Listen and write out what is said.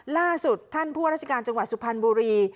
ล่าสุดท่านผู้ว่าราชการจังหวัดสุพรรณบุรี